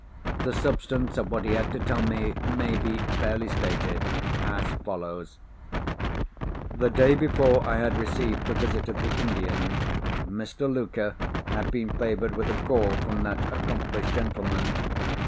The substance of what he had to tell me may be fairly stated as follows: The day before I had received the visit of the Indian, Mr. Luker had been favoured with a call from that accomplished gentleman.